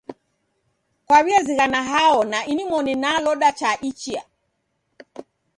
Kwaw'iazighana hao na nimoni naloda cha ichia?